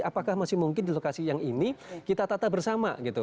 apakah masih mungkin di lokasi yang ini kita tata bersama gitu